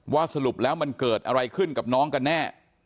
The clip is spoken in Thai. สรุปแล้วมันเกิดอะไรขึ้นกับน้องกันแน่